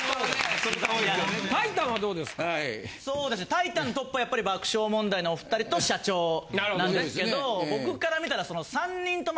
そうですねタイタントップはやっぱり爆笑問題のお２人と社長なんですけど僕から見たら。